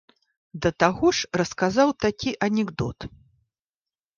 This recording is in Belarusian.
Да таго ж расказаў такі анекдот.